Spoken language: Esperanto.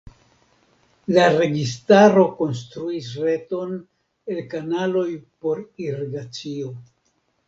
La registaro konstruis reton el kanaloj por irigacio.